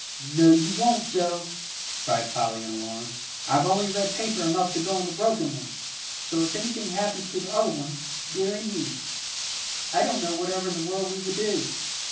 "No, you won't, Joe," cried Polly, in alarm. "I've only red paper enough to go on the broken one, so if anything happens to the other one, deary me! I don't know whatever in the world we could do.